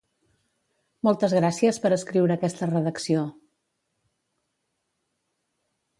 Moltes gràcies per escriure aquesta redacció.